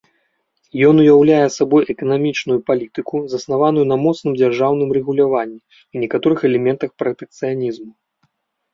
Ён уяўляе сабой эканамічную палітыку, заснаваную на моцным дзяржаўным рэгуляванні і некаторых элементах пратэкцыянізму.